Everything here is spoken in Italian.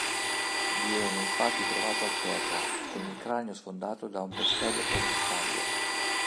Viene infatti trovato a terra, con il cranio sfondato da un pestello per mortaio.